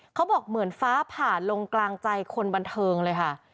เขาบอกเหมือนฟ้าผ่าลงกลางใจคนบันเทิงเลยค่ะ